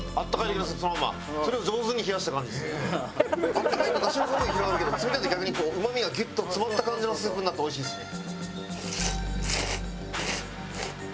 温かいとダシの香りが広がるけど冷たいと逆にこううまみがギュッと詰まった感じのスープになっておいしいですね。